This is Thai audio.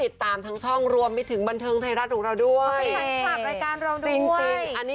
จะเป็นยังไง